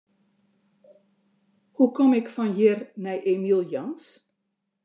Hoe kom ik fan hjir nei Emiel Jans?